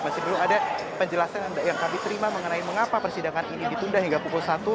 masih belum ada penjelasan yang kami terima mengenai mengapa persidangan ini ditunda hingga pukul satu